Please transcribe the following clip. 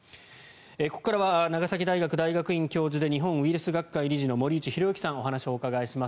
ここからは長崎大学大学院教授で日本ウイルス学会理事の森内浩幸さんにお話を伺います。